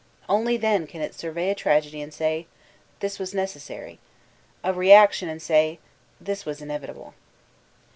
Only then can it survey a tragedy and say, *'Thb was necessary" — a reaction, and say, "Thb was inevitable."